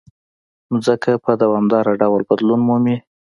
مځکه په دوامداره ډول بدلون مومي.